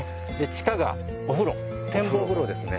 地下がお風呂展望風呂ですね。